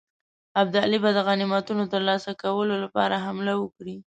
ابدالي به د غنیمتونو ترلاسه کولو لپاره حمله وکړي.